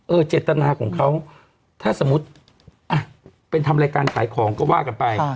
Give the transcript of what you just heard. เจตนาของเขาถ้าสมมุติอ่ะเป็นทำรายการขายของก็ว่ากันไป